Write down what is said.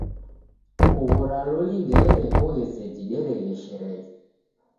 Kughora loli ndeerekoghe seji deregheshereghe.